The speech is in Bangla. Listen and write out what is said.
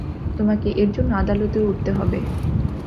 তোমাকে এরজন্য আদালতেও উঠতে হবে।